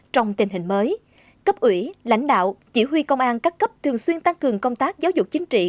trong tình hình mới cấp ủy lãnh đạo chỉ huy công an các cấp thường xuyên tăng cường công tác giáo dục chính trị